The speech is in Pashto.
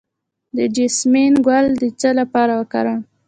د جیسمین ګل د څه لپاره وکاروم؟